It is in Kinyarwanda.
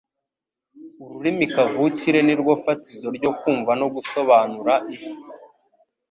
Ururimi kavukire ni rwo fatizo ryo kumva no gusobanura isi